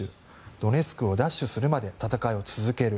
ドネツクを奪取するまで戦いを続ける。